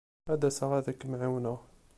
Ad d-asaɣ ad kem-ɛiwneɣ.